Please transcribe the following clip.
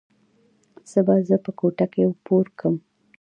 څه به زه په کوټه کښې پورکم.